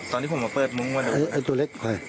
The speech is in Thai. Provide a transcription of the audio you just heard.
ตอนที่ผมมาเปิดมุ้งว่าไอ้ตัวเล็ก